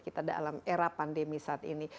kita dalam era pandemi saat ini